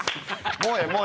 もうええ。